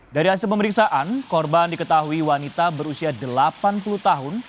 dari hasil pemeriksaan korban diketahui wanita berusia delapan puluh tahun